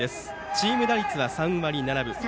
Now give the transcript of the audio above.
チーム打率、３割７分。